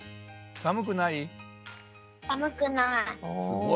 寒くない。